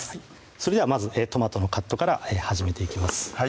それではまずトマトのカットから始めていきます